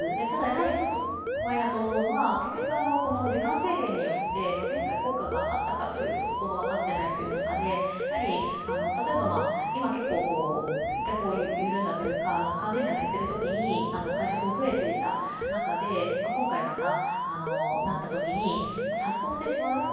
ただ、怖いなと思うのは、時間制限によって、前回効果があったかというとそこが分かっていない中で例えば今、一旦緩んだというか感染者が減ったときに会食も増えていた中で、今回、またなったときに殺到してしまう。